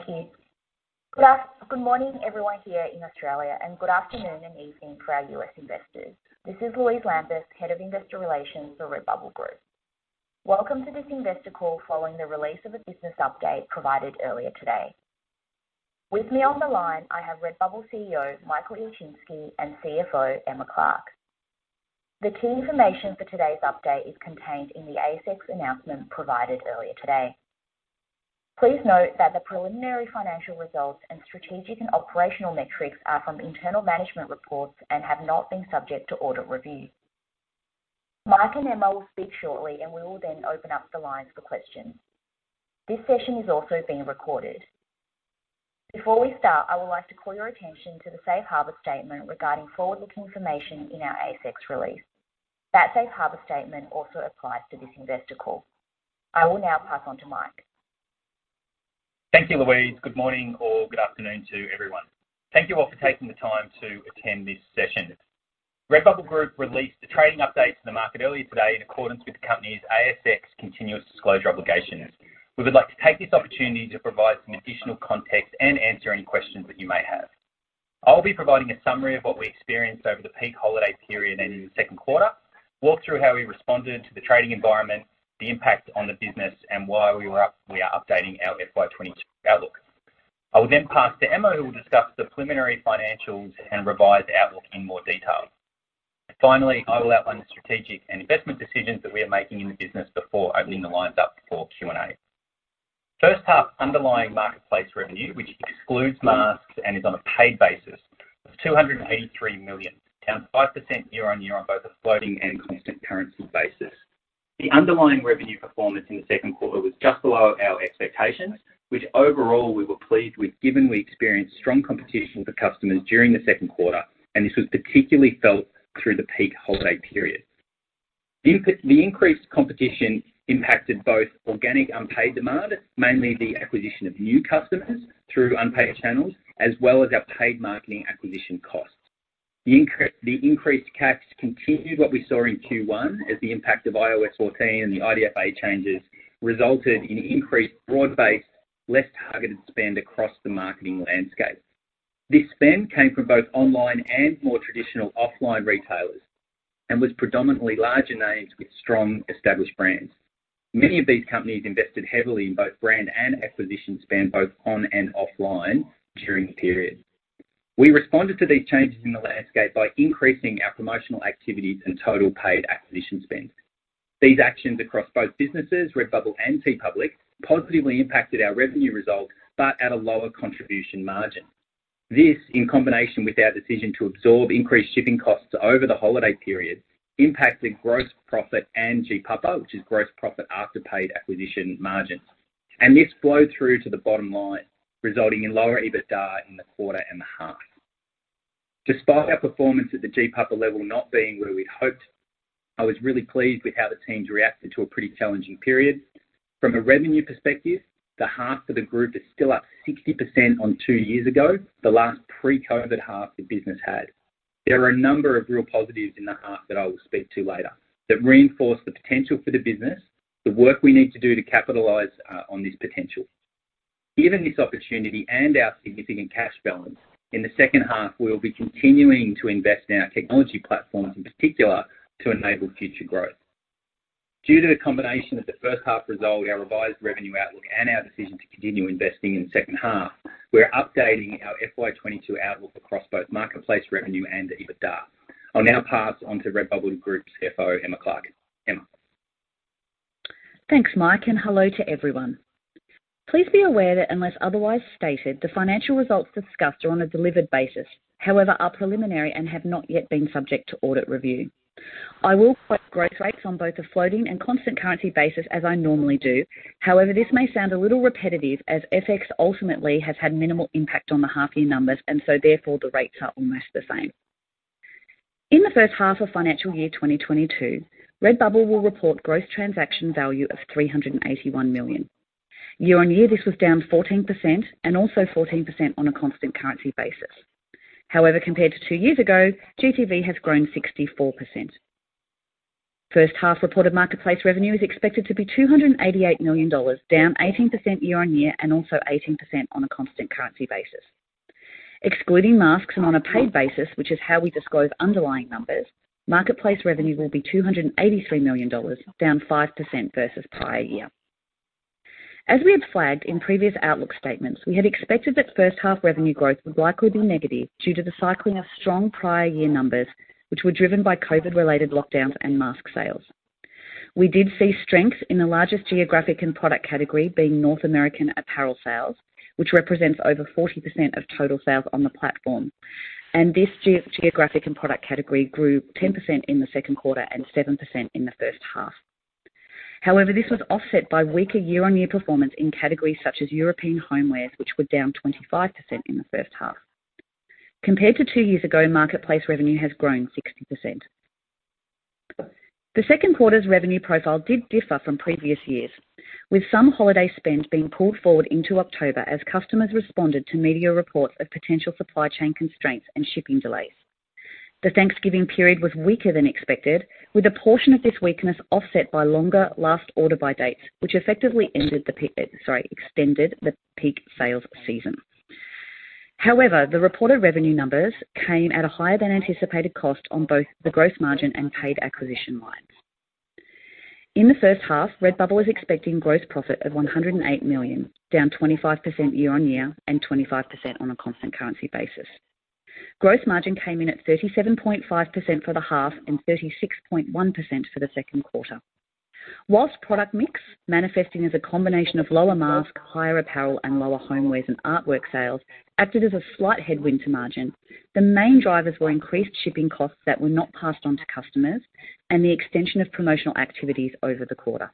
Thank you. Good morning, everyone here in Australia, and good afternoon and evening for our U.S. investors. This is Louise Lambeth, Head of Investor Relations for Redbubble Group. Welcome to this investor call following the release of a business update provided earlier today. With me on the line, I have Redbubble CEO, Michael Ilczynski and CFO, Emma Clark. The key information for today's update is contained in the ASX announcement provided earlier today. Please note that the preliminary financial results and strategic and operational metrics are from internal management reports and have not been subject to audit review. Michael and Emma will speak shortly, and we will then open up the lines for questions. This session is also being recorded. Before we start, I would like to call your attention to the Safe Harbor statement regarding forward-looking information in our ASX release. That Safe Harbor statement also applies to this investor call. I will now pass on to Michael. Thank you, Louise. Good morning or good afternoon to everyone. Thank you all for taking the time to attend this session. Redbubble Group released the trading update to the market earlier today in accordance with the company's ASX continuous disclosure obligations. We would like to take this opportunity to provide some additional context and answer any questions that you may have. I'll be providing a summary of what we experienced over the peak holiday period and in the second quarter, walk through how we responded to the trading environment, the impact on the business, and why we are updating our FY 2022 outlook. I will then pass to Emma, who will discuss the preliminary financials and revised outlook in more detail. Finally, I will outline the strategic and investment decisions that we are making in the business before opening the lines up for Q&A. First half underlying marketplace revenue, which excludes masks and is on a paid basis of $283 million, down 5% year-on-year on both a floating and constant currency basis. The underlying revenue performance in the second quarter was just below our expectations, which overall we were pleased with, given we experienced strong competition for customers during the second quarter, and this was particularly felt through the peak holiday period. The increased competition impacted both organic unpaid demand, mainly the acquisition of new customers through unpaid channels, as well as our paid marketing acquisition costs. The increased CACs continued what we saw in Q1 as the impact of iOS 14 and the IDFA changes resulted in increased broad-based, less targeted spend across the marketing landscape. This spend came from both online and more traditional offline retailers and was predominantly larger names with strong established brands. Many of these companies invested heavily in both brand and acquisition spend both on and offline during the period. We responded to these changes in the landscape by increasing our promotional activities and total paid acquisition spend. These actions across both businesses, Redbubble and TeePublic, positively impacted our revenue results, but at a lower contribution margin. This, in combination with our decision to absorb increased shipping costs over the holiday period, impacted gross profit and GPAPA, which is gross profit after paid acquisition margins. This flowed through to the bottom line, resulting in lower EBITDA in the quarter and the half. Despite our performance at the GPAPA level not being where we'd hoped, I was really pleased with how the teams reacted to a pretty challenging period. From a revenue perspective, the half for the group is still up 60% on two years ago, the last pre-COVID half the business had. There are a number of real positives in the half that I will speak to later that reinforce the potential for the business, the work we need to do to capitalize on this potential. Given this opportunity and our significant cash balance, in the second half, we'll be continuing to invest in our technology platforms, in particular to enable future growth. Due to the combination of the first half result, our revised revenue outlook and our decision to continue investing in the second half, we're updating our FY 2022 outlook across both marketplace revenue and EBITDA. I'll now pass on to Redbubble Group's CFO, Emma Clark. Emma. Thanks, Michael, and hello to everyone. Please be aware that unless otherwise stated, the financial results discussed are on a delivered basis. However, they are preliminary and have not yet been subject to audit review. I will quote growth rates on both a floating and constant currency basis as I normally do. However, this may sound a little repetitive as FX ultimately has had minimal impact on the half-year numbers, and so therefore the rates are almost the same. In the first half of FY 2022, Redbubble will report gross transaction value of 381 million. Year-on-year, this was down 14% and also 14% on a constant currency basis. However, compared to two years ago, GTV has grown 64%. First half reported marketplace revenue is expected to be $288 million, down 18% year-on-year and also 18% on a constant currency basis. Excluding masks and on a paid basis, which is how we disclose underlying numbers, marketplace revenue will be $283 million, down 5% versus prior year. As we had flagged in previous outlook statements, we had expected that first half revenue growth would likely be negative due to the cycling of strong prior year numbers, which were driven by COVID-related lockdowns and mask sales. We did see strength in the largest geographic and product category being North American apparel sales, which represents over 40% of total sales on the platform. This geographic and product category grew 10% in the second quarter and 7% in the first half. However, this was offset by weaker year-on-year performance in categories such as European homewares, which were down 25% in the first half. Compared to two years ago, marketplace revenue has grown 60%. The second quarter's revenue profile did differ from previous years, with some holiday spend being pulled forward into October as customers responded to media reports of potential supply chain constraints and shipping delays. The Thanksgiving period was weaker than expected, with a portion of this weakness offset by longer last order by dates, which effectively extended the peak sales season. However, the reported revenue numbers came at a higher than anticipated cost on both the gross margin and paid acquisition lines. In the first half, Redbubble is expecting gross profit of 108 million, down 25% year on year and 25% on a constant currency basis. Gross margin came in at 37.5% for the half and 36.1% for the second quarter. While product mix manifesting as a combination of lower mask, higher apparel, and lower homewares and artwork sales acted as a slight headwind to margin, the main drivers were increased shipping costs that were not passed on to customers and the extension of promotional activities over the quarter.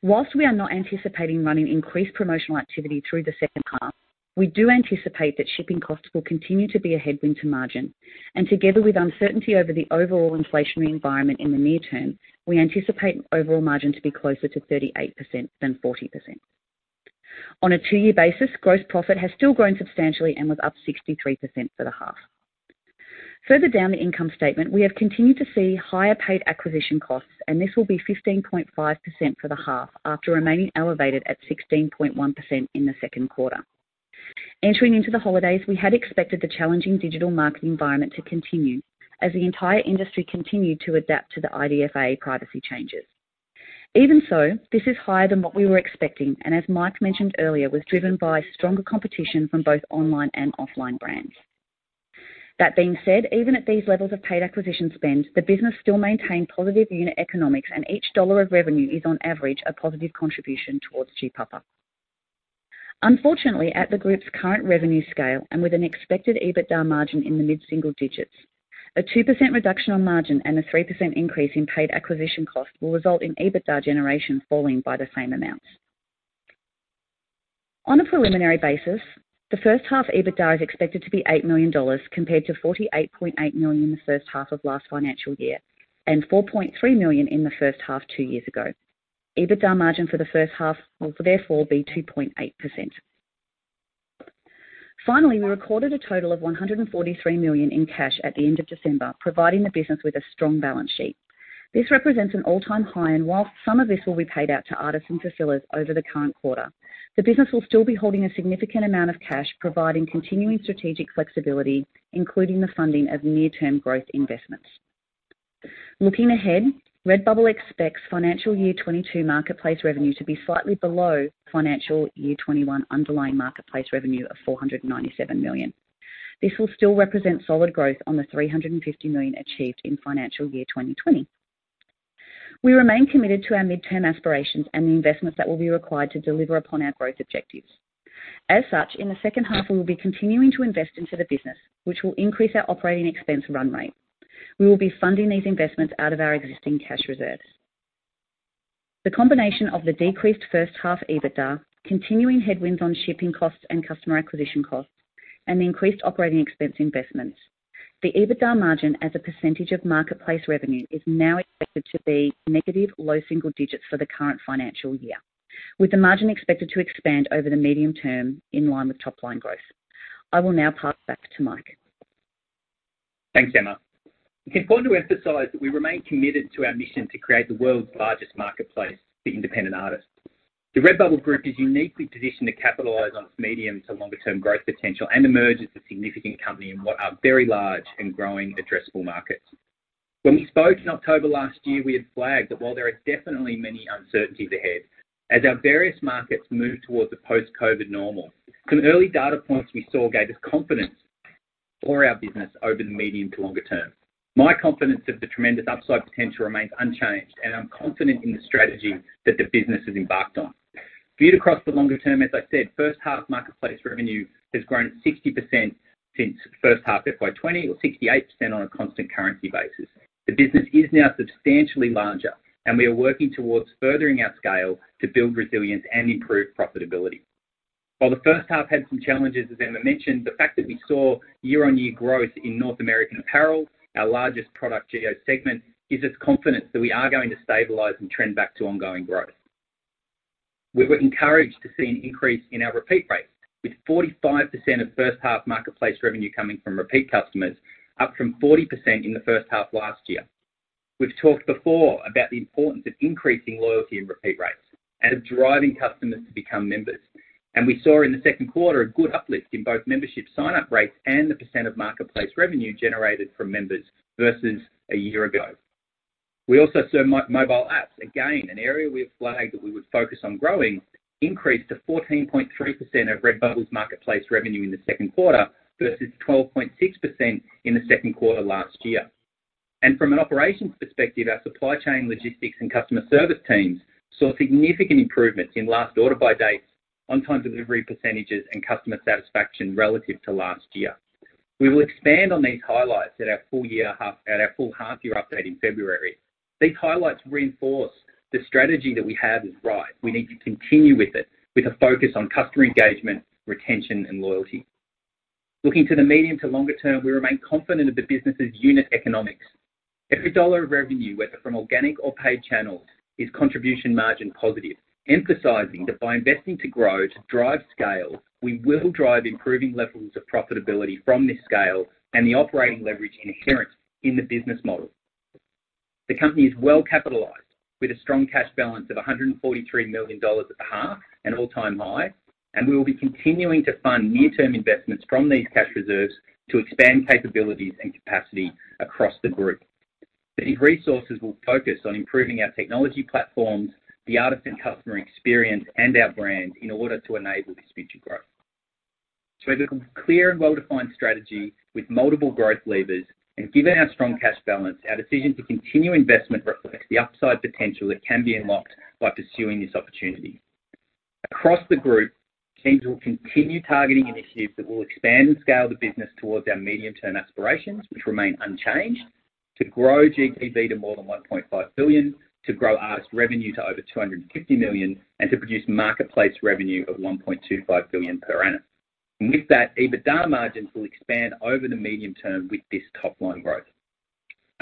While we are not anticipating running increased promotional activity through the second half, we do anticipate that shipping costs will continue to be a headwind to margin and together with uncertainty over the overall inflationary environment in the near term, we anticipate overall margin to be closer to 38% than 40%. On a two-year basis, gross profit has still grown substantially and was up 63% for the half. Further down the income statement, we have continued to see higher paid acquisition costs, and this will be 15.5% for the half after remaining elevated at 16.1% in the second quarter. Entering into the holidays, we had expected the challenging digital market environment to continue as the entire industry continued to adapt to the IDFA privacy changes. Even so, this is higher than what we were expecting, and as Michael mentioned earlier, was driven by stronger competition from both online and offline brands. That being said, even at these levels of paid acquisition spend, the business still maintained positive unit economics and each dollar of revenue is on average a positive contribution towards GPAPA. Unfortunately, at the group's current revenue scale and with an expected EBITDA margin in the mid-single digits, a 2% reduction on margin and a 3% increase in paid acquisition costs will result in EBITDA generation falling by the same amounts. On a preliminary basis, the first half EBITDA is expected to be 8 million dollars compared to 48.8 million in the first half of last financial year, and 4.3 million in the first half two years ago. EBITDA margin for the first half will therefore be 2.8%. Finally, we recorded a total of 143 million in cash at the end of December, providing the business with a strong balance sheet. This represents an all-time high, while some of this will be paid out to artists and facilities over the current quarter, the business will still be holding a significant amount of cash, providing continuing strategic flexibility, including the funding of near-term growth investments. Looking ahead, Redbubble expects FY 2022 marketplace revenue to be slightly below FY 2021 underlying marketplace revenue of AUD 497 million. This will still represent solid growth on the AUD 350 million achieved in FY 2020. We remain committed to our midterm aspirations and the investments that will be required to deliver upon our growth objectives. As such, in the second half, we will be continuing to invest into the business, which will increase our operating expense run rate. We will be funding these investments out of our existing cash reserves. The combination of the decreased first half EBITDA, continuing headwinds on shipping costs and customer acquisition costs, and the increased operating expense investments, the EBITDA margin as a percentage of marketplace revenue is now expected to be negative low single digits% for the current financial year, with the margin expected to expand over the medium term in line with top-line growth. I will now pass back to Michael. Thanks, Emma. It's important to emphasize that we remain committed to our mission to create the world's largest marketplace for independent artists. The Redbubble Group is uniquely positioned to capitalize on its medium- to long-term growth potential and emerge as a significant company in what are very large and growing addressable markets. When we spoke in October last year, we had flagged that while there are definitely many uncertainties ahead, as our various markets move towards a post-COVID normal, some early data points we saw gave us confidence for our business over the medium- to long-term. My confidence in the tremendous upside potential remains unchanged, and I'm confident in the strategy that the business has embarked on. Viewed across the longer term, as I said, first half marketplace revenue has grown 60% since first half FY 2020 or 68% on a constant currency basis. The business is now substantially larger and we are working towards furthering our scale to build resilience and improve profitability. While the first half had some challenges, as Emma mentioned, the fact that we saw year-on-year growth in North American apparel, our largest product geo segment, gives us confidence that we are going to stabilize and trend back to ongoing growth. We were encouraged to see an increase in our repeat rates, with 45% of first half marketplace revenue coming from repeat customers, up from 40% in the first half last year. We've talked before about the importance of increasing loyalty and repeat rates and of driving customers to become members, and we saw in the second quarter a good uplift in both membership sign-up rates and the percent of marketplace revenue generated from members versus a year ago. We also saw mobile apps, again, an area we have flagged that we would focus on growing, increase to 14.3% of Redbubble's marketplace revenue in the second quarter versus 12.6% in the second quarter last year. From an operations perspective, our supply chain logistics and customer service teams saw significant improvements in last order by dates, on-time delivery percentages, and customer satisfaction relative to last year. We will expand on these highlights at our full half year update in February. These highlights reinforce the strategy that we have is right. We need to continue with it with a focus on customer engagement, retention, and loyalty. Looking to the medium- to long-term, we remain confident of the business's unit economics. Every dollar of revenue, whether from organic or paid channels, is contribution margin positive, emphasizing that by investing to grow to drive scale, we will drive improving levels of profitability from this scale and the operating leverage inherent in the business model. The company is well capitalized with a strong cash balance of 143 million dollars at the half, an all-time high, and we will be continuing to fund near-term investments from these cash reserves to expand capabilities and capacity across the group. These resources will focus on improving our technology platforms, the artist and customer experience, and our brand in order to enable this future growth. It is a clear and well-defined strategy with multiple growth levers, and given our strong cash balance, our decision to continue investment reflects the upside potential that can be unlocked by pursuing this opportunity. Across the group, teams will continue targeting initiatives that will expand and scale the business towards our medium-term aspirations, which remain unchanged, to grow GTV to more than 1.5 billion, to grow Artist revenue to over 250 million, and to produce marketplace revenue of 1.25 billion per annum. With that, EBITDA margins will expand over the medium term with this top line growth.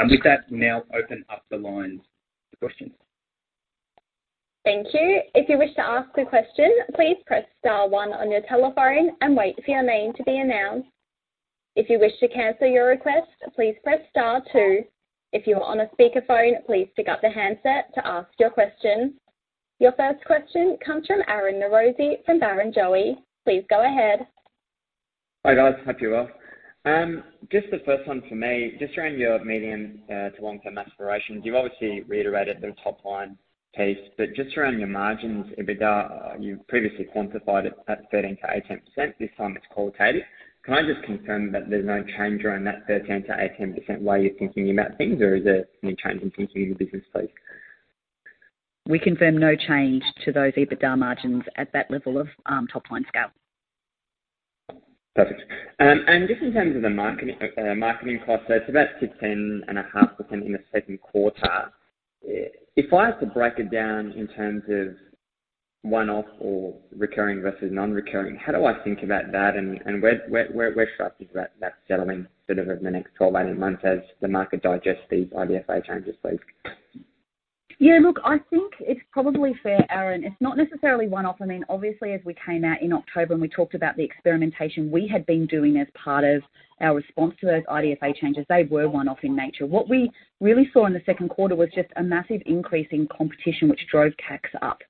With that, we'll now open up the lines for questions. Your first question comes from Aryan Norozi from Barrenjoey. Please go ahead. Hi, guys. Hope you're well. Just the first one for me, just around your medium to long-term aspirations, you've obviously reiterated the top line piece, but just around your margins, EBITDA, you previously quantified it at 13%-18%. This time it's qualitative. Can I just confirm that there's no change around that 13%-18%, why you're thinking about things, or is there any change in thinking in the business, please? We confirm no change to those EBITDA margins at that level of, top-line scale. Perfect. Just in terms of the marketing costs, it's about 10.5% in the second quarter. If I have to break it down in terms of one-off or recurring versus non-recurring, how do I think about that and where should I keep that settling sort of over the next 12, 18 months as the market digests these IDFA changes, please? Yeah. Look, I think it's probably fair, Aryan. It's not necessarily one-off. I mean, obviously, as we came out in October, and we talked about the experimentation we had been doing as part of our response to those IDFA changes. They were one-off in nature. What we really saw in the second quarter was just a massive increase in competition, which drove CACs up.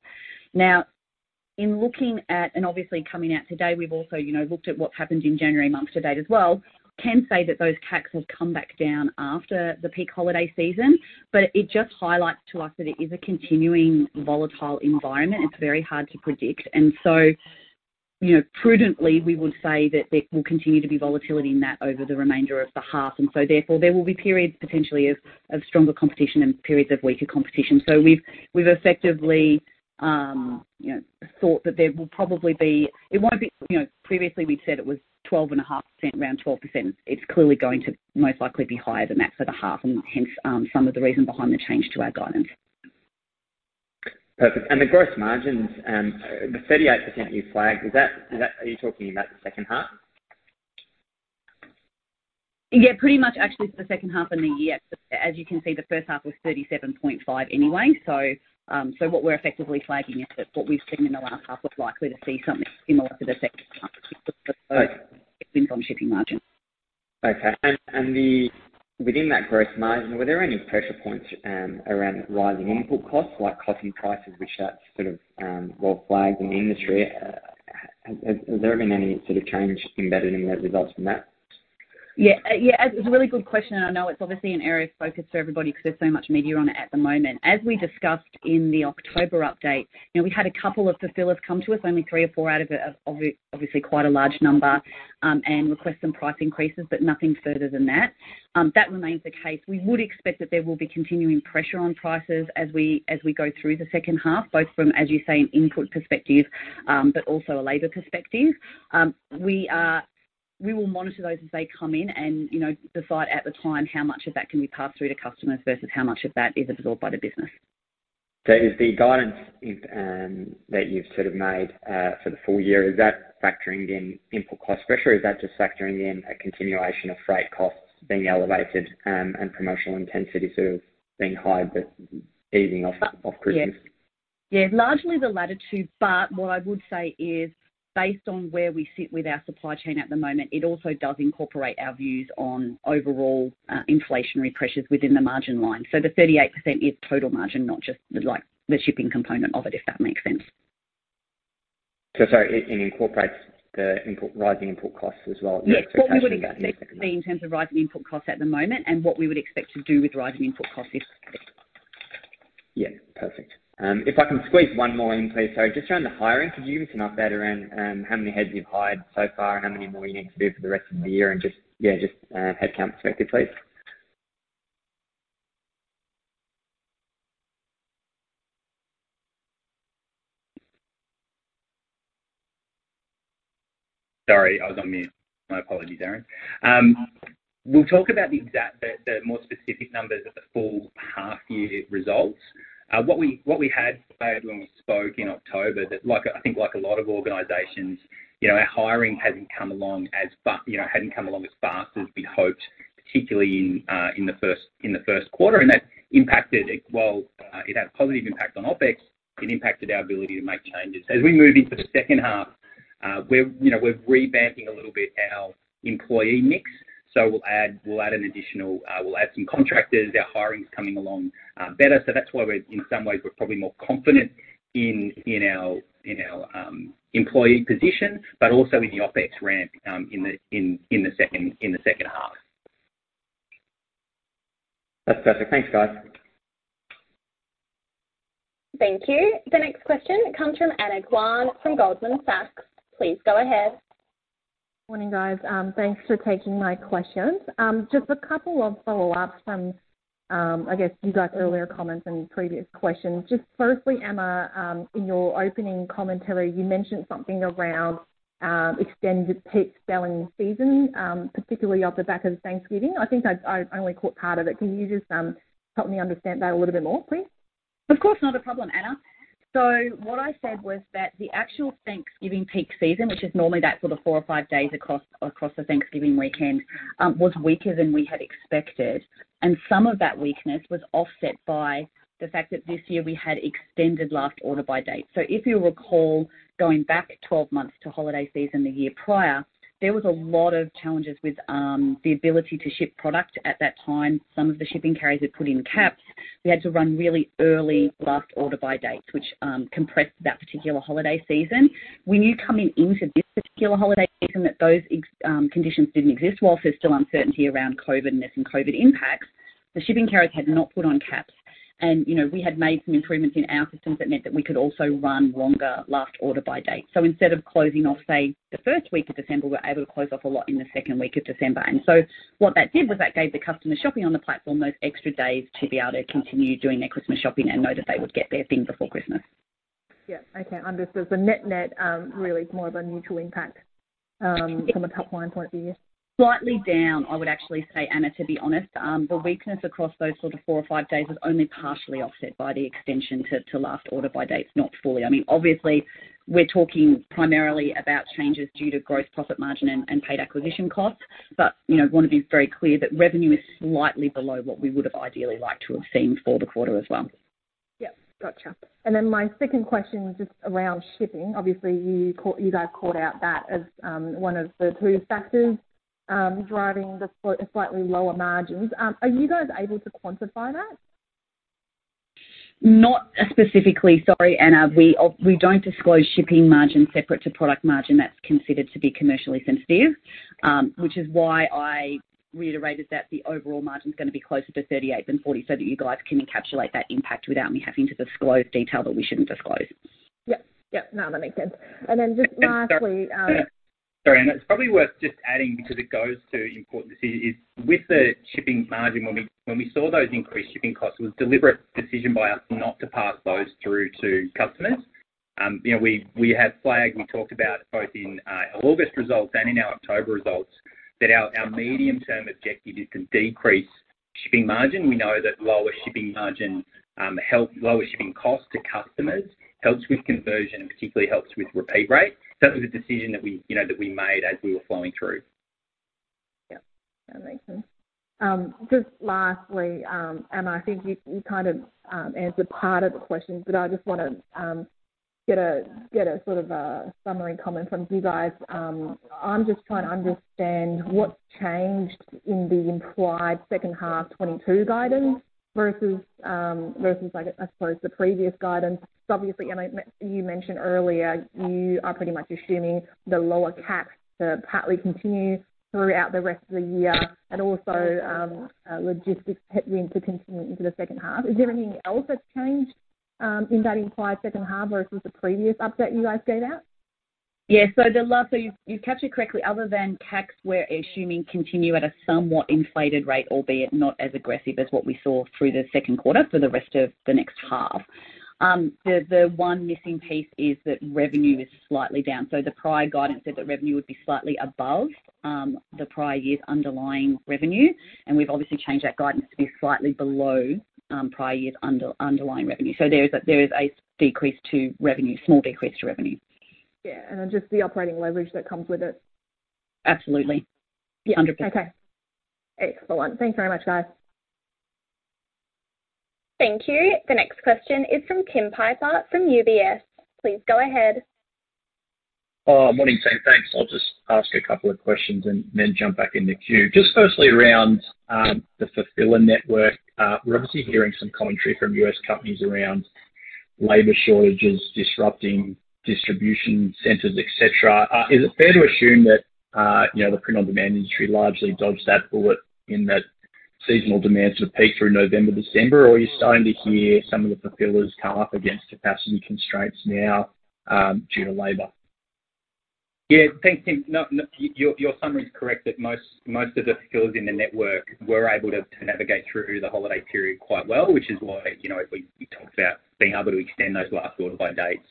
Now, in looking at, and obviously, coming out today, we've also, you know, looked at what's happened in January month to date as well. We can say that those CACs have come back down after the peak holiday season, but it just highlights to us that it is a continuing volatile environment. It's very hard to predict. You know, prudently, we would say that there will continue to be volatility in that over the remainder of the half. Therefore, there will be periods potentially of stronger competition and periods of weaker competition. We've effectively, you know, thought that there will probably be. It won't be, you know, previously we said it was 12.5%, around 12%. It's clearly going to most likely be higher than that for the half and hence, some of the reason behind the change to our guidance. Perfect. The gross margins, the 38% you flagged, are you talking about the second half? Yeah, pretty much actually for the second half and the year. As you can see, the first half was 37.5% anyway. What we're effectively flagging is that what we've seen in the last half, we're likely to see something similar in the second half for shipping margins. Within that gross margin, were there any pressure points around rising input costs like cotton prices, which that's sort of well flagged in the industry. Has there been any sort of change embedded in those results from that? Yeah. Yeah, it's a really good question, and I know it's obviously an area of focus for everybody 'cause there's so much media on it at the moment. As we discussed in the October update, you know, we had a couple of fulfillers come to us, only three or four out of obviously quite a large number, and request some price increases, but nothing further than that. That remains the case. We would expect that there will be continuing pressure on prices as we go through the second half, both from, as you say, an input perspective, but also a labor perspective. We will monitor those as they come in and, you know, decide at the time how much of that can we pass through to customers versus how much of that is absorbed by the business. Is the guidance that you've sort of made for the full year factoring in input cost pressure, or is that just factoring in a continuation of freight costs being elevated, and promotional intensity sort of being high but easing off after Christmas? Yeah. Largely the latter two, but what I would say is, based on where we sit with our supply chain at the moment, it also does incorporate our views on overall, inflationary pressures within the margin line. So the 38% is total margin, not just the, like, the shipping component of it, if that makes sense. Sorry, it incorporates the input, rising input costs as well. Yes. What we would expect to see in terms of rising input costs at the moment and what we would expect to do with rising input costs. Yeah. Perfect. If I can squeeze one more in, please. Just around the hiring, could you give us an update around how many heads you've hired so far and how many more you need to do for the rest of the year and just headcount perspective, please? Sorry, I was on mute. My apologies, Aryan Norozi. We'll talk about the more specific numbers at the full half-year results. What we had flagged when we spoke in October that like, I think like a lot of organizations, you know, our hiring hadn't come along as fast as we'd hoped, particularly in the first quarter. That impacted it. While it had a positive impact on OpEx, it impacted our ability to make changes. As we move into the second half, we're revamping a little bit our employee mix, so we'll add some additional contractors. Our hiring is coming along better. That's why we're in some ways more confident in our employee position, but also in the OpEx ramp in the second half. That's perfect. Thanks, guys. Thank you. The next question comes from Anna Guan from Goldman Sachs. Please go ahead. Morning, guys. Thanks for taking my questions. Just a couple of follow-ups from, I guess you guys' earlier comments and previous questions. Just firstly, Emma, in your opening commentary, you mentioned something around, extended peak selling season, particularly off the back of Thanksgiving. I think I only caught part of it. Can you just, help me understand that a little bit more please? Of course. Not a problem, Anna. What I said was that the actual Thanksgiving peak season, which is normally that sort of four or five days across the Thanksgiving weekend, was weaker than we had expected. Some of that weakness was offset by the fact that this year we had extended last order by date. If you recall, going back 12 months to holiday season the year prior, there was a lot of challenges with the ability to ship product. At that time, some of the shipping carriers had put in caps. We had to run really early last order by dates, which compressed that particular holiday season. We knew coming into this particular holiday season that those conditions didn't exist, while there's still uncertainty around COVID and there's some COVID impacts. The shipping carriers had not put on caps. you know, we had made some improvements in our systems that meant that we could also run longer last order by date. Instead of closing off, say, the first week of December, we're able to close off a lot in the second week of December. What that did was that gave the customer shopping on the platform those extra days to be able to continue doing their Christmas shopping and know that they would get their thing before Christmas. The net-net really is more of a neutral impact from a top-line point of view. Slightly down, I would actually say, Anna, to be honest. The weakness across those sort of four or five days is only partially offset by the extension to last order by dates, not fully. I mean, obviously, we're talking primarily about changes due to gross profit margin and paid acquisition costs. You know, I wanna be very clear that revenue is slightly below what we would have ideally liked to have seen for the quarter as well. Yep. Gotcha. My second question is around shipping. Obviously, you guys called out that as one of the two factors driving the slightly lower margins. Are you guys able to quantify that? Not specifically. Sorry, Anna. We don't disclose shipping margin separate to product margin. That's considered to be commercially sensitive, which is why I reiterated that the overall margin is gonna be closer to 38% than 40%, so that you guys can encapsulate that impact without me having to disclose detail that we shouldn't disclose. Yep. No, that makes sense. Just lastly, Sorry, Anna. It's probably worth just adding because it goes to importance is with the shipping margin, when we saw those increased shipping costs, it was a deliberate decision by us not to pass those through to customers. You know, we had flagged, we talked about both in our August results and in our October results that our medium-term objective is to decrease shipping margin. We know that lower shipping margin helps lower shipping costs to customers, helps with conversion, and particularly helps with repeat rate. That was a decision that we you know that we made as we were flowing through. Yep. That makes sense. Just lastly, Emma, I think you kind of answered part of the question, but I just wanna get a sort of a summary comment from you guys. I'm just trying to understand what's changed in the implied second half 2022 guidance versus, I suppose, the previous guidance. Obviously, you mentioned earlier, you are pretty much assuming the lower CapEx to partly continue throughout the rest of the year and also, logistics headwind to continue into the second half. Is there anything else that's changed, in that implied second half versus the previous update you guys gave out? You've captured correctly, other than CapEx, we're assuming continue at a somewhat inflated rate, albeit not as aggressive as what we saw through the second quarter for the rest of the next half. The one missing piece is that revenue is slightly down. The prior guidance said that revenue would be slightly above the prior year's underlying revenue, and we've obviously changed that guidance to be slightly below prior year's underlying revenue. There is a decrease to revenue, small decrease to revenue. Yeah, just the operating leverage that comes with it. Absolutely. 100%. Okay. Excellent. Thanks very much, guys. Thank you. The next question is from Tim Piper from UBS. Please go ahead. Morning team. Thanks. I'll just ask a couple of questions and then jump back in the queue. Just firstly around the fulfiller network. We're obviously hearing some commentary from U.S. companies around labor shortages disrupting distribution centers, et cetera. Is it fair to assume that, you know, the print-on-demand industry largely dodged that bullet in that seasonal demands would peak through November, December? Or are you starting to hear some of the fulfillers come up against capacity constraints now, due to labor? Yeah. Thanks, Tim. No, your summary is correct that most of the fulfillers in the network were able to navigate through the holiday period quite well, which is why, you know, we talked about being able to extend those last order by dates.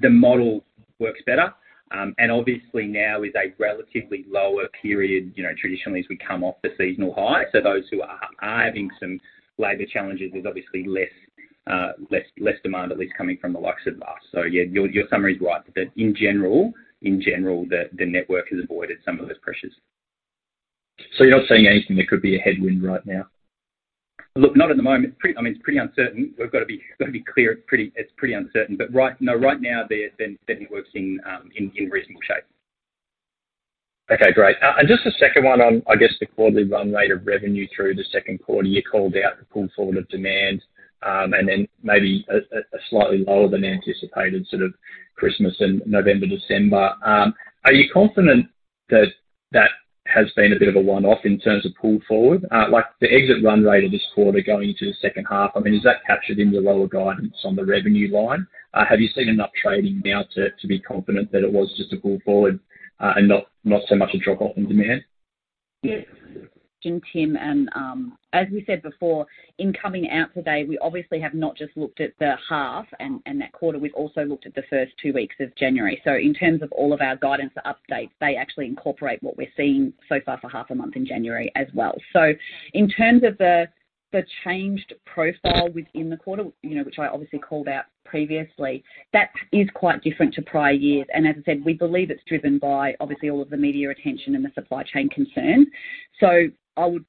The model works better. And obviously now is a relatively lower period, you know, traditionally as we come off the seasonal high. So those who are having some labor challenges, there's obviously less demand, at least coming from the likes of us. So yeah, your summary is right. But in general, the network has avoided some of those pressures. You're not seeing anything that could be a headwind right now? Look, not at the moment. I mean, it's pretty uncertain. We've gotta be clear. It's pretty uncertain. No, right now, the network's in reasonable shape. Okay, great. Just a second one on, I guess, the quarterly run rate of revenue through the second quarter. You called out the pull forward of demand, and then maybe a slightly lower than anticipated sort of Christmas and November, December. Are you confident that that has been a bit of a one-off in terms of pull forward? Like the exit run rate of this quarter going into the second half, I mean, is that captured in your lower guidance on the revenue line? Have you seen enough trading now to be confident that it was just a pull forward, and not so much a drop off in demand? Yeah. Thanks, Tim. As we said before in coming out today, we obviously have not just looked at the half and that quarter. We've also looked at the first two weeks of January. In terms of all of our guidance updates, they actually incorporate what we're seeing so far for half a month in January as well. In terms of the changed profile within the quarter, you know, which I obviously called out previously, that is quite different to prior years. As I said, we believe it's driven by obviously all of the media attention and the supply chain concern. I would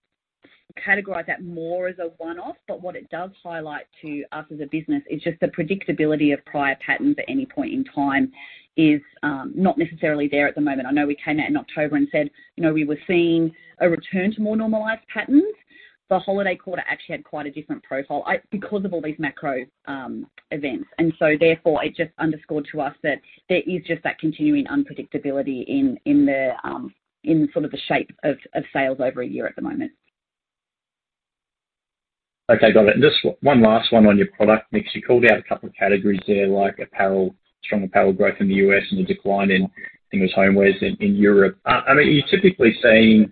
categorize that more as a one-off. What it does highlight to us as a business is just the predictability of prior patterns at any point in time is not necessarily there at the moment. I know we came out in October and said, you know, we were seeing a return to more normalized patterns. The holiday quarter actually had quite a different profile. Because of all these macro events, and so therefore it just underscored to us that there is just that continuing unpredictability in sort of the shape of sales over a year at the moment. Okay. Got it. Just one last one on your product mix. You called out a couple of categories there, like apparel, strong apparel growth in the U.S. and the decline in, I think it was homewares in Europe. I mean, are you typically seeing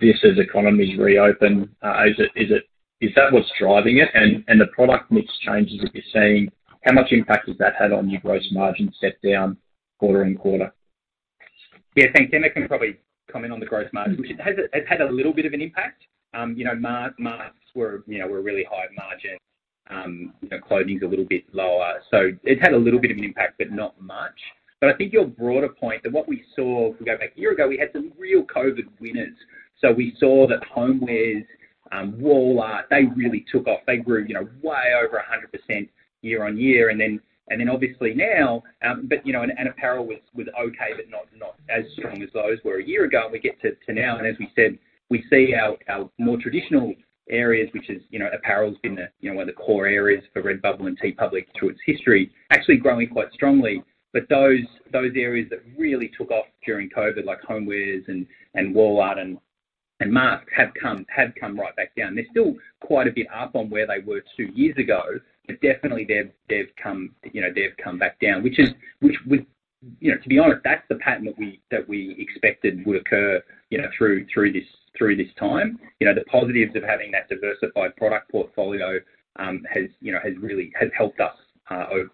this as economies reopen? Is that what's driving it? The product mix changes that you're seeing, how much impact has that had on your gross margin step-down quarter-over-quarter? Yeah. Thanks. Emma can probably comment on the gross margin, which it has, it's had a little bit of an impact. You know, masks were really high margin. You know, clothing's a little bit lower. It had a little bit of an impact, but not much. I think your broader point that what we saw, if we go back a year ago, we had some real COVID winners. We saw that homewares, wall art, they really took off. They grew, you know, way over 100% year-on-year. Then obviously now, but you know, apparel was okay but not as strong as those were a year ago. We get to now, and as we said, we see our more traditional areas, which is, you know, apparel's been a, you know, one of the core areas for Redbubble and TeePublic through its history, actually growing quite strongly. Those areas that really took off during COVID, like homewares and wall art and masks have come right back down. They're still quite a bit up on where they were two years ago. Definitely they've come, you know, they've come back down, which we expected would occur, you know. To be honest, that's the pattern that we expected would occur, you know, through this time. You know, the positives of having that diversified product portfolio has, you know, has really helped us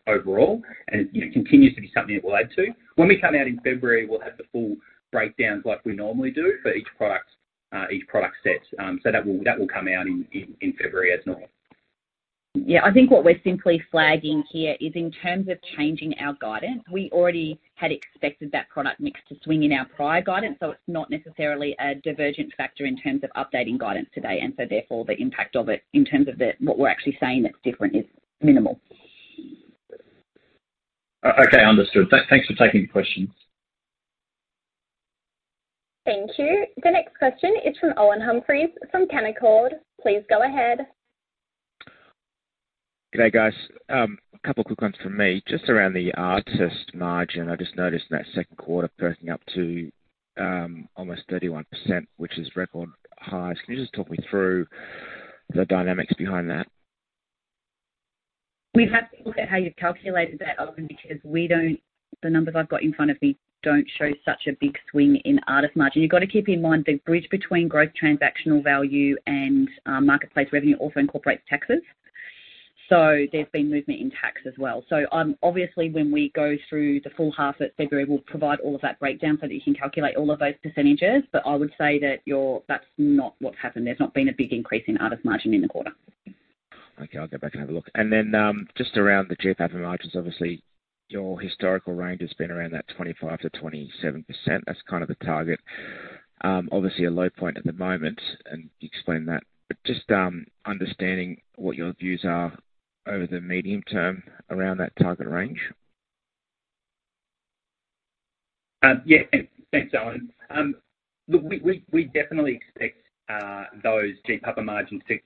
overall. You know, continues to be something that we'll add to. When we come out in February, we'll have the full breakdowns like we normally do for each product, each product set. That will come out in February as normal. Yeah. I think what we're simply flagging here is in terms of changing our guidance, we already had expected that product mix to swing in our prior guidance, so it's not necessarily a divergent factor in terms of updating guidance today. Therefore the impact of it in terms of the, what we're actually saying that's different is minimal. Okay. Understood. Thanks for taking the questions. Thank you. The next question is from Owen Humphries from Canaccord Genuity. Please go ahead. Good day, guys. A couple quick ones from me. Just around the artist margin. I just noticed in that second quarter bursting up to almost 31%, which is record high. Can you just talk me through the dynamics behind that? We'd have to look at how you've calculated that, Owen, because we don't. The numbers I've got in front of me don't show such a big swing in artist margin. You've gotta keep in mind, the bridge between gross transaction value and marketplace revenue also incorporates taxes. There's been movement in taxes as well. Obviously when we go through the full half at February, we'll provide all of that breakdown so that you can calculate all of those percentages. I would say that that's not what's happened. There's not been a big increase in artist margin in the quarter. Okay. I'll go back and have a look. Just around the GPAPA margins, obviously your historical range has been around that 25%-27%. That's kind of the target. Obviously a low point at the moment and you explained that. Just understanding what your views are over the medium term around that target range. Yeah. Thanks, Owen. Look, we definitely expect those GPAPA margins to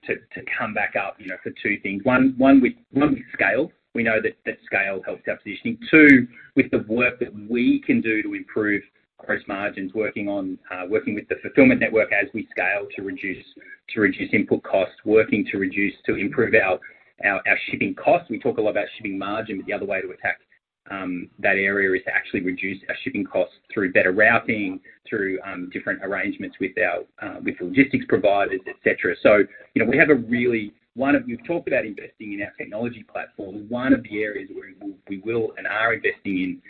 come back up, you know, for two things. One, with scale. We know that scale helps our positioning. Two, with the work that we can do to improve gross margins, working with the fulfillment network as we scale to reduce input costs, working to reduce, to improve our shipping costs. We talk a lot about shipping margin, but the other way to attack that area is to actually reduce our shipping costs through better routing, through different arrangements with our logistics providers, et cetera. So, you know, we've talked about investing in our technology platform. One of the areas where we will and are investing in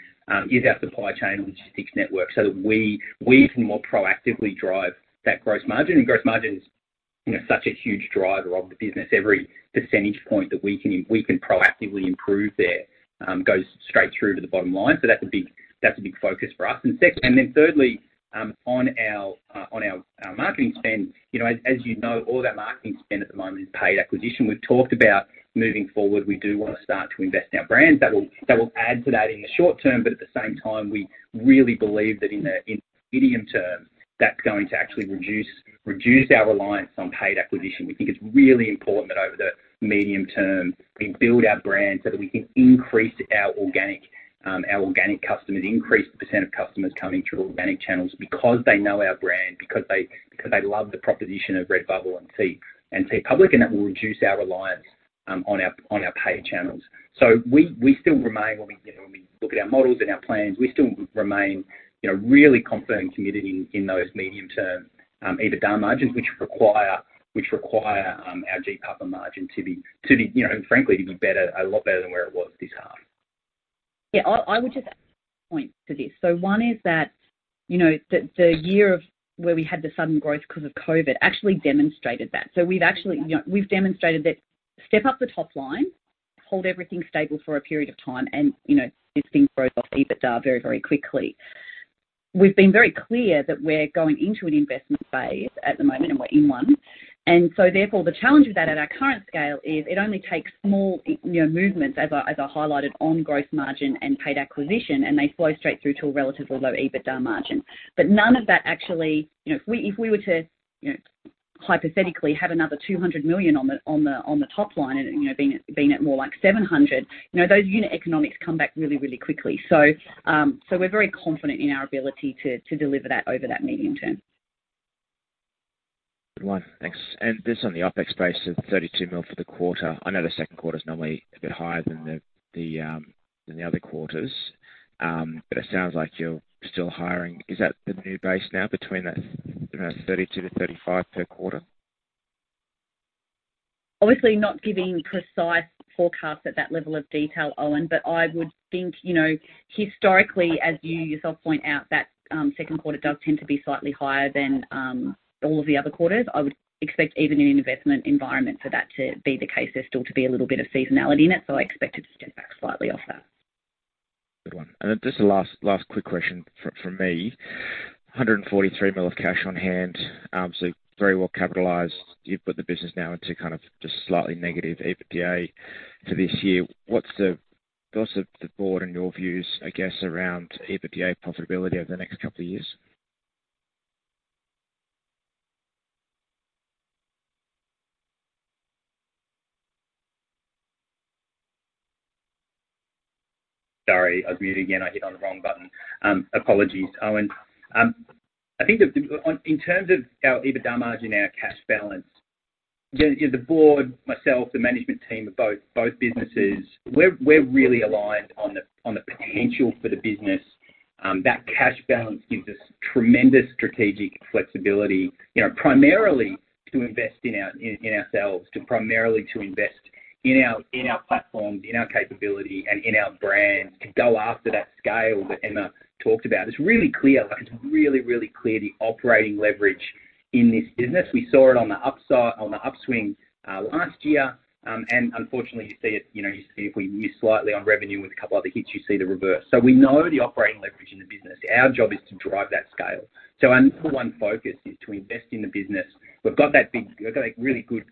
is our supply chain logistics network, so that we can more proactively drive that gross margin. Gross margin is, you know, such a huge driver of the business. Every percentage point that we can proactively improve there goes straight through to the bottom line. That's a big focus for us. Thirdly, on our marketing spend. You know, as you know, all of our marketing spend at the moment is paid acquisition. We've talked about moving forward, we do wanna start to invest in our brand. That will add to that in the short term, but at the same time, we really believe that in the medium term, that's going to actually reduce our reliance on paid acquisition. We think it's really important that over the medium term, we build our brand so that we can increase our organic customers, increase the percent of customers coming through organic channels because they know our brand, because they love the proposition of Redbubble and TeePublic, and that will reduce our reliance on our paid channels. We still remain when we look at our models and our plans, you know, really confident and committed in those medium-term EBITDA margins, which require our GPAPA margin to be, you know, frankly, to be better, a lot better than where it was this half. Yeah. I would just add a point to this. One is that, you know, the year of where we had the sudden growth 'cause of COVID actually demonstrated that. We've actually, you know, we've demonstrated that step up the top line, hold everything stable for a period of time and, you know, this thing grows off EBITDA very, very quickly. We've been very clear that we're going into an investment phase at the moment, and we're in one. Therefore, the challenge with that at our current scale is it only takes small, you know, movements as I highlighted on growth margin and paid acquisition, and they flow straight through to a relatively low EBITDA margin. But none of that actually. You know, if we were to, you know, hypothetically have another 200 million on the top line and, you know, being at more like 700, you know, those unit economics come back really quickly. We're very confident in our ability to deliver that over that medium term. Good one. Thanks. Just on the OpEx base of 32 million for the quarter. I know the second quarter's normally a bit higher than the other quarters. It sounds like you're still hiring. Is that the new base now between, you know, 32 million-35 million per quarter? Obviously not giving precise forecasts at that level of detail, Owen, but I would think, you know, historically, as you yourself point out, that second quarter does tend to be slightly higher than all of the other quarters. I would expect even in an investment environment for that to be the case. There's still to be a little bit of seasonality in it, so I expect it to step back slightly off that. Good one. Just a last quick question from me. 143 million of cash on hand, so very well capitalized. You've put the business now into kind of just slightly negative EBITDA for this year. What's the board and your views, I guess, around EBITDA profitability over the next couple of years? Sorry, I was muted again. I hit the wrong button. Apologies, Owen. I think in terms of our EBITDA margin, our cash balance, the board, myself, the management team of both businesses, we're really aligned on the potential for the business. That cash balance gives us tremendous strategic flexibility, you know, primarily to invest in ourselves, primarily to invest in our platforms, in our capability and in our brands to go after that scale that Emma talked about. It's really clear. Like, it's really clear the operating leverage in this business. We saw it on the upswing last year. Unfortunately, you see it, you know, you see it if we miss slightly on revenue with a couple other hits, you see the reverse. We know the operating leverage in the business. Our job is to drive that scale. Our number one focus is to invest in the business. We've got a really good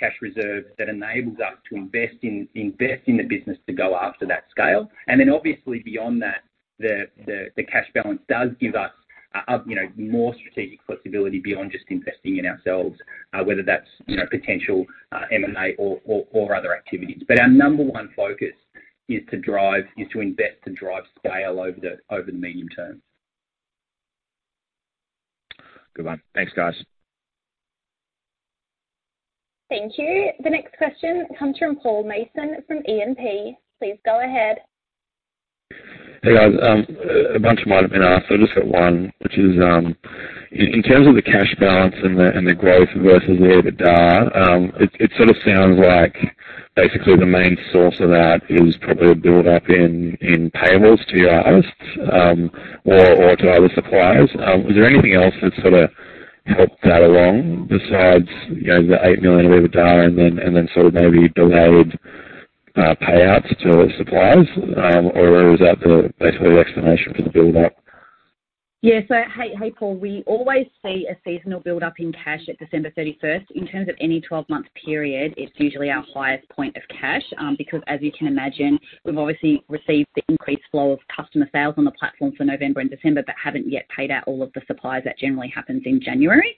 cash reserve that enables us to invest in the business to go after that scale. Then obviously beyond that, the cash balance does give us, you know, more strategic flexibility beyond just investing in ourselves, whether that's, you know, potential M&A or other activities. Our number one focus is to invest to drive scale over the medium term. Good one. Thanks, guys. Thank you. The next question comes from Paul Mason from E&P. Please go ahead. Hey, guys. A bunch of questions have been asked, so I've just got one, which is in terms of the cash balance and the growth versus the EBITDA. It sort of sounds like basically the main source of that is probably a build up in payables to your artists or to other suppliers. Is there anything else that sort of helped that along besides you know the 8 million of EBITDA and then sort of maybe delayed payouts to suppliers? Or is that basically the explanation for the buildup? Yeah. Hey, Paul. We always see a seasonal buildup in cash at December thirty-first. In terms of any 12-month period, it's usually our highest point of cash, because as you can imagine, we've obviously received the increased flow of customer sales on the platform for November and December, but haven't yet paid out all of the suppliers. That generally happens in January.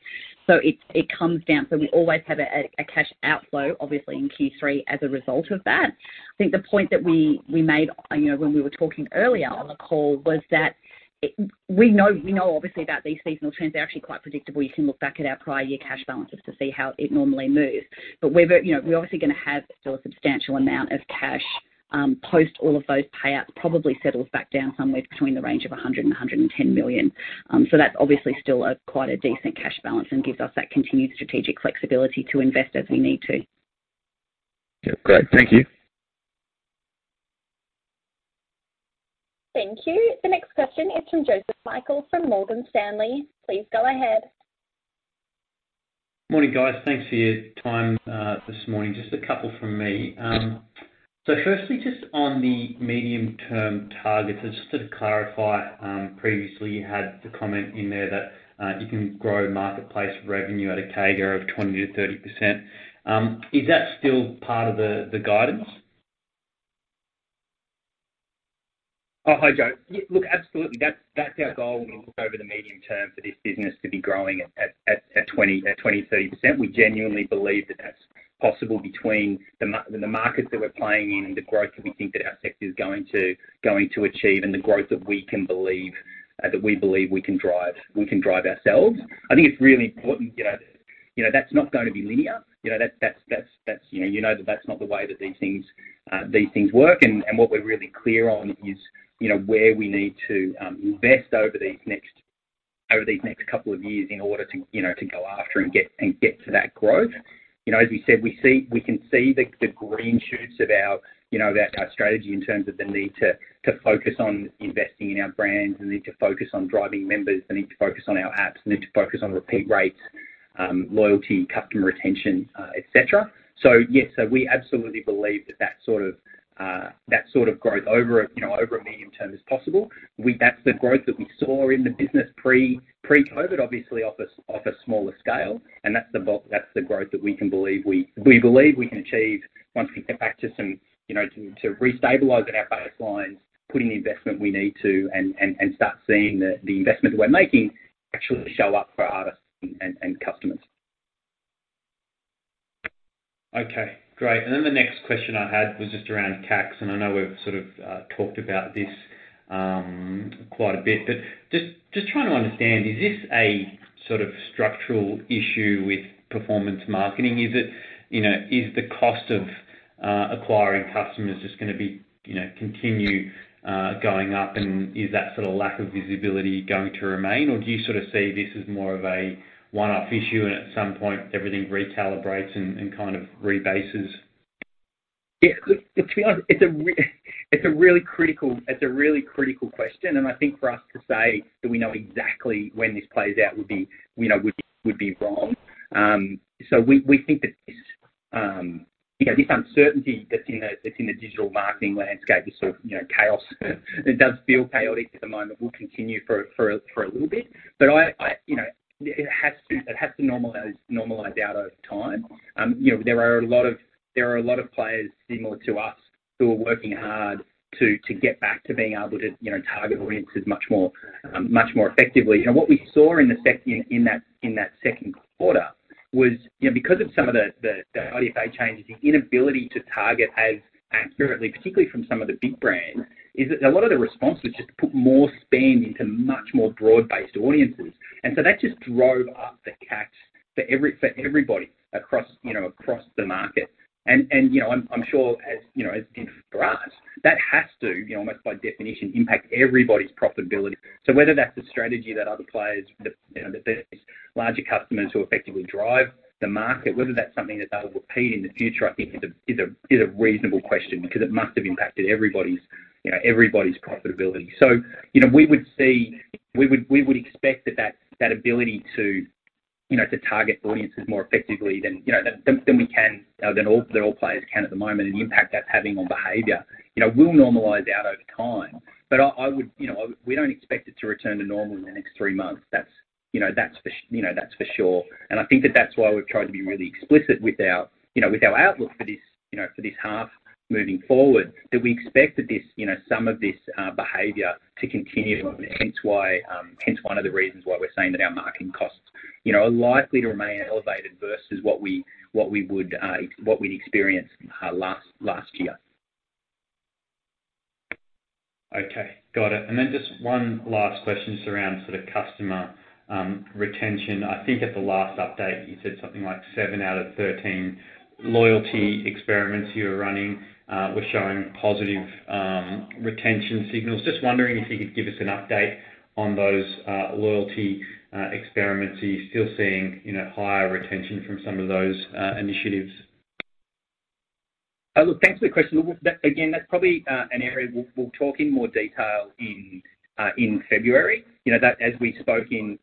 It comes down. We always have a cash outflow, obviously, in Q3 as a result of that. I think the point that we made, you know, when we were talking earlier on the call was that we know obviously about these seasonal trends. They're actually quite predictable. You can look back at our prior year cash balances to see how it normally moves. You know, we're obviously gonna have still a substantial amount of cash. Post all of those payouts probably settles back down somewhere between the range of 100 million-110 million. So that's obviously still a quite decent cash balance and gives us that continued strategic flexibility to invest as we need to. Yeah. Great. Thank you. Thank you. The next question is from Joseph Michael from Morgan Stanley. Please go ahead. Morning, guys. Thanks for your time this morning. Just a couple from me. So firstly, just on the medium-term targets, just to clarify, previously you had the comment in there that you can grow marketplace revenue at a CAGR of 20%-30%. Is that still part of the guidance? Oh, hi, Joe. Yeah, look, absolutely. That's our goal when we look over the medium term for this business to be growing at 20%-30%. We genuinely believe that that's possible between the markets that we're playing in and the growth that we think that our sector is going to achieve and the growth that we believe we can drive ourselves. I think it's really important, you know. You know, that's not gonna be linear. You know, that's not the way that these things work. What we're really clear on is, you know, where we need to invest over these next couple of years in order to, you know, to go after and get to that growth. You know, as you said, we can see the green shoots of our strategy in terms of the need to focus on investing in our brands, the need to focus on driving members, the need to focus on our apps, need to focus on repeat rates, loyalty, customer retention, et cetera. Yes, we absolutely believe that sort of growth over a medium term is possible. That's the growth that we saw in the business pre-COVID, obviously off a smaller scale. That's the growth that we believe we can achieve once we get back to some, you know, to restabilizing our baselines, putting the investment we need to, and start seeing the investments we're making actually show up for artists and customers. Okay, great. Then the next question I had was just around CACs, and I know we've sort of talked about this quite a bit, but just trying to understand, is this a sort of structural issue with performance marketing? Is it you know, is the cost of acquiring customers just gonna be you know continue going up? And is that sort of lack of visibility going to remain? Or do you sort of see this as more of a one-off issue and at some point everything recalibrates and kind of rebases? To be honest, it's a really critical question. I think for us to say that we know exactly when this plays out would be, you know, wrong. We think that this, you know, uncertainty that's in the digital marketing landscape is sort of, you know, chaos. It does feel chaotic at the moment and will continue for a little bit. You know, it has to normalize out over time. You know, there are a lot of players similar to us who are working hard to get back to being able to, you know, target audiences much more effectively. What we saw in the second quarter was, you know, because of some of the IDFA changes, the inability to target as accurately, particularly from some of the big brands, that a lot of the responses just put more spend into much more broad-based audiences. That just drove up the CACs for everybody across the market. You know, I'm sure, as you know, as in for us, that has to, you know, almost by definition, impact everybody's profitability. Whether that's a strategy that other players, you know, that there's larger customers who effectively drive the market, whether that's something that they'll repeat in the future, I think is a reasonable question because it must have impacted everybody's profitability. You know, we would expect that ability to, you know, to target audiences more effectively than we can than all players can at the moment and the impact that's having on behavior, you know, will normalize out over time. You know, we don't expect it to return to normal in the next three months. That's, you know, for sure. I think that's why we've tried to be really explicit with our, you know, with our outlook for this, you know, for this half moving forward, that we expect that this, you know, some of this behavior to continue. One of the reasons why we're saying that our marketing costs, you know, are likely to remain elevated versus what we'd experienced last year. Okay, got it. Just one last question just around sort of customer retention. I think at the last update, you said something like seven out of 13 loyalty experiments you were running were showing positive retention signals. Just wondering if you could give us an update on those loyalty experiments. Are you still seeing, you know, higher retention from some of those initiatives? Look, thanks for the question. Look, that, again, that's probably an area we'll talk in more detail in February. You know, that as we spoke in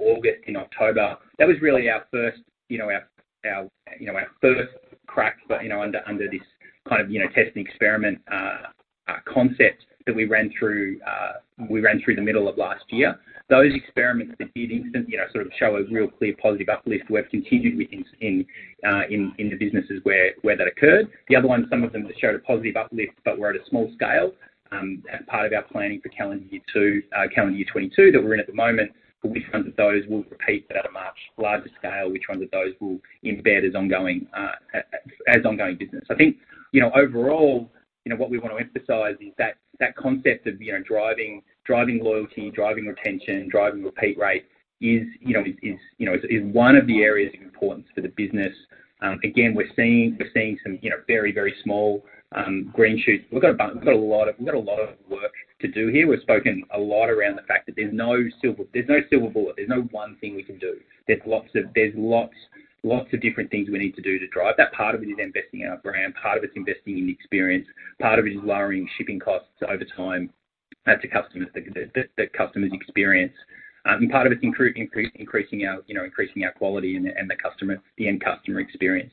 August and October, that was really our first you know our first crack you know under this kind of you know test and experiment concept that we ran through the middle of last year. Those experiments that did instantly you know sort of show a real clear positive uplift, we've continued with in the businesses where that occurred. The other ones, some of them just showed a positive uplift, but were at a small scale. Part of our planning for calendar year 2022 that we're in at the moment, which ones of those we'll repeat but at a much larger scale, which ones of those we'll embed as ongoing business. I think, you know, overall, you know, what we wanna emphasize is that concept of, you know, driving loyalty, driving retention, driving repeat rate is one of the areas of importance for the business. Again, we're seeing some, you know, very small green shoots. We've got a lot of work to do here. We've spoken a lot around the fact that there's no silver bullet. There's no one thing we can do. There's lots of There's lots of different things we need to do to drive that. Part of it is investing in our brand, part of it's investing in the experience, part of it is lowering shipping costs over time to customers, that customers experience, and part of it's increasing our, you know, increasing our quality and the customer, the end customer experience.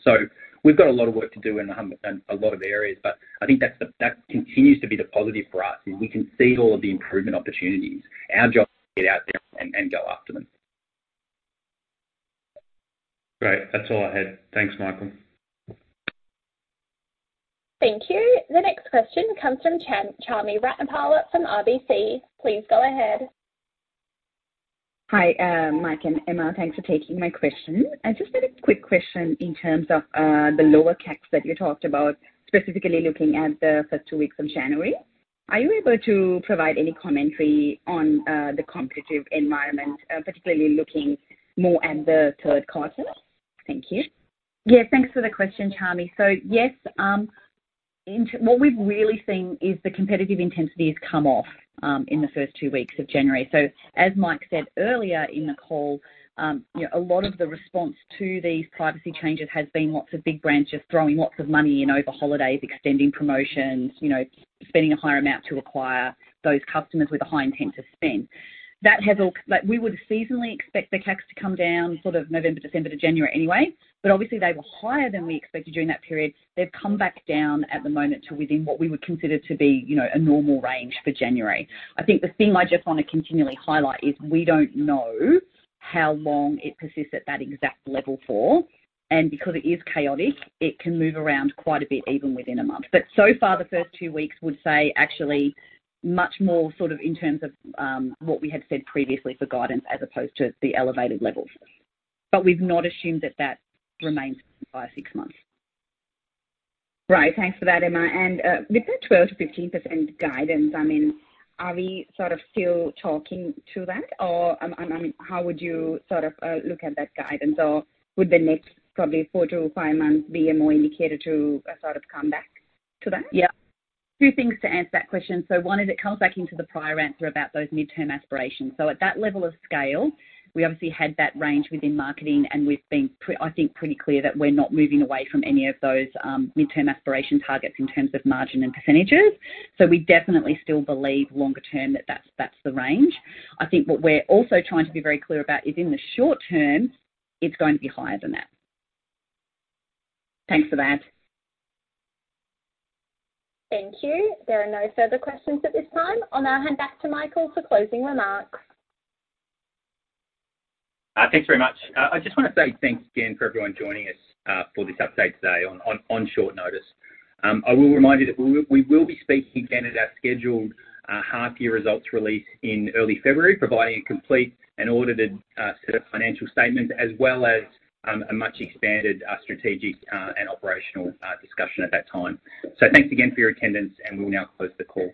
We've got a lot of work to do in a lot of areas, but I think that continues to be the positive for us, is we can see all of the improvement opportunities. Our job is to get out there and go after them. Great. That's all I had. Thanks, Michael. Thank you. The next question comes from Chami Ratnapala from RBC. Please go ahead. Hi, Michael and Emma. Thanks for taking my question. I just had a quick question in terms of the lower CACs that you talked about, specifically looking at the first two weeks of January. Are you able to provide any commentary on the competitive environment, particularly looking more at the third quarter? Thank you. Yeah. Thanks for the question, Chami. Yes, what we've really seen is the competitive intensity has come off in the first two weeks of January. As Michael said earlier in the call, you know, a lot of the response to these privacy changes has been lots of big brands just throwing lots of money in over holidays, extending promotions, you know, spending a higher amount to acquire those customers with a high intent to spend. That has all, like, we would seasonally expect the CACs to come down sort of November, December to January anyway, but obviously they were higher than we expected during that period. They've come back down at the moment to within what we would consider to be, you know, a normal range for January. I think the thing I just wanna continually highlight is we don't know how long it persists at that exact level for. Because it is chaotic, it can move around quite a bit even within a month. So far, the first two weeks would say actually much more sort of in terms of, what we had said previously for guidance as opposed to the elevated levels. We've not assumed that that remains by six months. Right. Thanks for that, Emma. With that 12%-15% guidance, I mean, are we sort of still talking to that? I mean, how would you sort of look at that guidance? Would the next probably 4-5 months be a better indicator to a sort of comeback to that? Yeah. Two things to answer that question. One is it comes back into the prior answer about those midterm aspirations. At that level of scale, we obviously had that range within marketing, and we've been pretty clear that we're not moving away from any of those midterm aspiration targets in terms of margin and percentages. We definitely still believe longer term that that's the range. I think what we're also trying to be very clear about is in the short term, it's going to be higher than that. Thanks for that. Thank you. There are no further questions at this time. I'll now hand back to Michael for closing remarks. Thanks very much. I just wanna say thanks again for everyone joining us for this update today on short notice. I will remind you that we will be speaking again at our scheduled half year results release in early February, providing a complete and audited set of financial statements, as well as a much expanded strategic and operational discussion at that time. Thanks again for your attendance, and we'll now close the call.